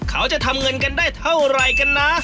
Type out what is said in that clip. เขาจะทำเงินกันได้เท่าไหร่กันนะ